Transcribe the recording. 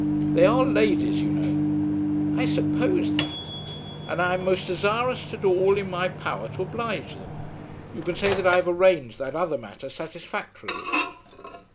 "They are ladies, you know." "I supposed that." "And I am most desirous to do all in my power to oblige them. You can say that I have arranged that other matter satisfactorily."